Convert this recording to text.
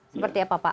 seperti apa pak